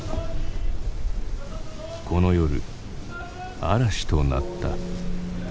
この夜嵐となった。